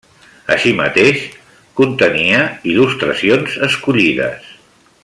Així mateix, contenia il·lustracions escollides.